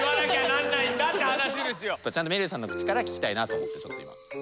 ちゃんとめるるさんの口から聞きたいなと思ってちょっと今。